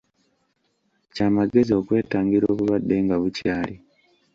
Kya magezi okwetangira obulwadde nga bukyali.